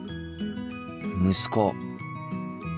息子。